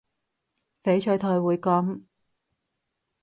翡翠台會噉